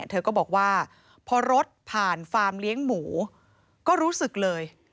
เธอก็บอกว่าพอรถผ่านฟาร์มเลี้ยงหมูก็รู้สึกเลย